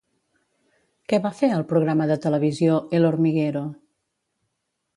Què va fer al programa de televisió El Hormiguero?